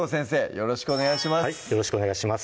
よろしくお願いします